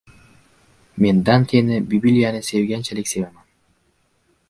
Men Danteni Bibliyani sevganchalik sevaman.